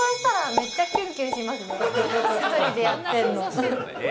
１人でやってるの。